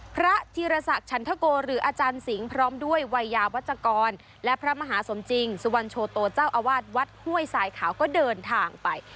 พระธีรศักดิ์ฉันทโกหรืออาจารย์สิงห์พร้อมด้วยวัยยาวัชกรและพระมหาสมจริงสุวรรณโชโตเจ้าอาวาสวัดห้วยสายขาวก็เดินทางไป